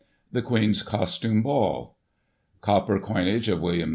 The Queen's Costume Ball— Copper Coinage of William IV.